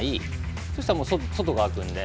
そうしたら外が空くので。